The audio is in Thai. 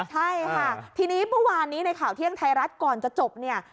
ใช่ค่ะทีนี้เมื่อวานนี้ในข่าวเที่ยงไทยรัฐก่อนจะจบเนี่ย